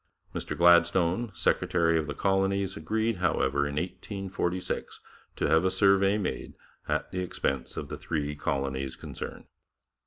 Mr Gladstone, secretary for the Colonies, agreed, however, in 1846, to have a survey made at the expense of the three colonies concerned.